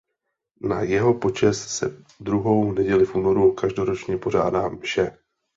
Na jeho počest se druhou neděli v únoru každoročně pořádá mše.